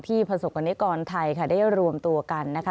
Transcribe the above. ประสบกรณิกรไทยค่ะได้รวมตัวกันนะคะ